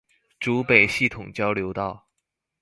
竹北系統交流道